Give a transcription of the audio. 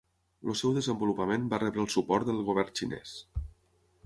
El seu desenvolupament va rebre el suport del Govern xinès.